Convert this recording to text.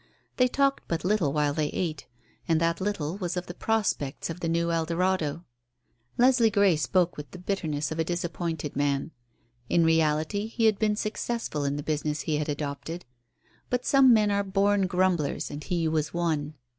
They talked but little while they ate, and that little was of the prospects of the new Eldorado. Leslie Grey spoke with the bitterness of a disappointed man. In reality he had been successful in the business he had adopted. But some men are born grumblers, and he was one.